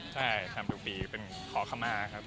ใช่ทำทุกปีเป็นขอเข้ามาครับ